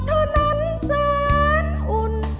เมื่อยามนอนก็หมอนละมาว่าอกเธอนั้นเสียนอุ่น